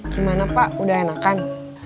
gimana pak udah enakan